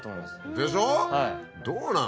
でしょ。